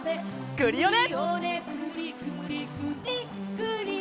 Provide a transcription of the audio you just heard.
クリオネ！